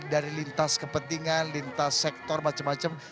dari lintas kepentingan lintas sektor macam macam